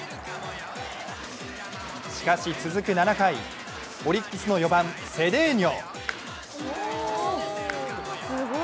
しかし続く７回オリックスの４番・セデーニョ。